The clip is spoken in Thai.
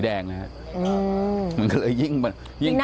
ฐานพระพุทธรูปทองคำ